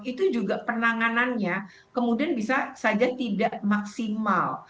itu juga penanganannya kemudian bisa saja tidak maksimal